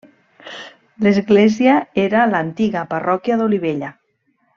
L'església era l'antiga parròquia d'Olivella.